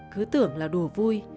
cứ tưởng là đùa vui